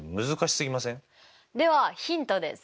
ではヒントです！